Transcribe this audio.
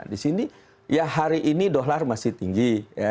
di sini ya hari ini dolar masih tinggi